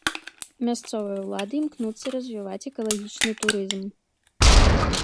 Мясцовыя ўлады імкнуцца развіваць экалагічны турызм.